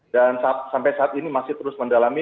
dan sampai saat ini masih terus mendalami